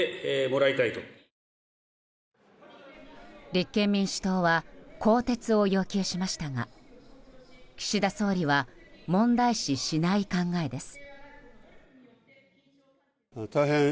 立憲民主党は更迭を要求しましたが岸田総理は問題視しない考えです。